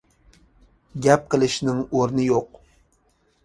گەپ قىلىشنىڭ ئورنى يوق.